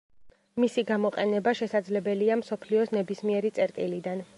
მისი გამოყენება შესაძლებელია მსოფლიოს ნებისმიერი წერტილიდან.